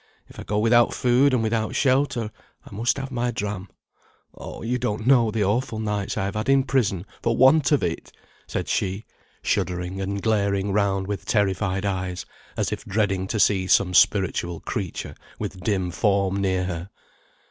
If I go without food, and without shelter, I must have my dram. Oh! you don't know the awful nights I have had in prison for want of it!" said she, shuddering, and glaring round with terrified eyes, as if dreading to see some spiritual creature, with dim form, near her.